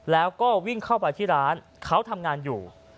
แล้วก็วิ่งเข้าไปที่ร้านเขาทำงานอยู่